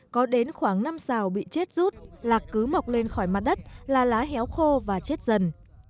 có đến khoảng năm xào bị chết rút lạc cứ mọc lên khỏi mặt đất là lá héo khô và chết dần